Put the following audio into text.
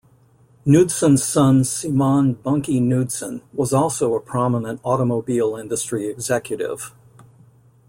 Knudsen's son Semon "Bunkie" Knudsen was also a prominent automobile industry executive.